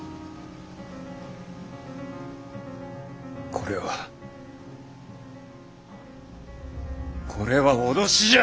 これはこれは脅しじゃ！